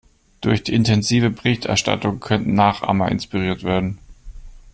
Durch die intensive Berichterstattung könnten Nachahmer inspiriert werden.